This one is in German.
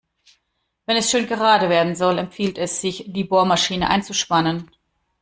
Wenn es schön gerade werden soll, empfiehlt es sich, die Bohrmaschine einzuspannen.